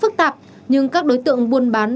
phức tạp nhưng các đối tượng buôn bán